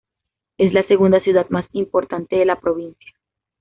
Es la segunda ciudad más importante de la provincia.